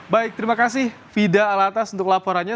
baik terima kasih fida alatas untuk laporannya